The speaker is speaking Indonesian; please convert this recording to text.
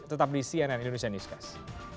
tetap di cnn indonesia newscast